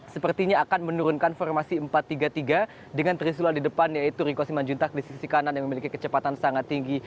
sepertinya akan menurunkan formasi empat tiga tiga dengan trisulan di depan yaitu riko simanjuntak di sisi kanan yang memiliki kecepatan sangat tinggi